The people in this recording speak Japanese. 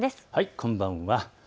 こんばんは。